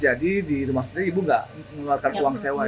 jadi di rumah sendiri ibu gak ngeluarkan uang sewa ya